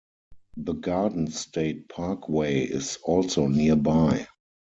The Garden State Parkway is also nearby.